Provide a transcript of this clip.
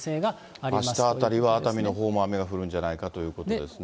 あしたあたりは、熱海のほうも雨が降るんじゃないかということですね。